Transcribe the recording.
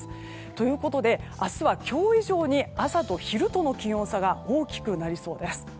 ということで、明日は今日以上に朝と昼との気温差が大きくなりそうです。